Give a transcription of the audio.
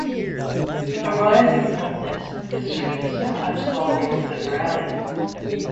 Arising from this, the street is sometimes called 'Flicker Alley'.